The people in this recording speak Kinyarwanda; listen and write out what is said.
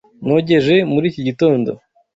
Nogeje muri iki gitondo.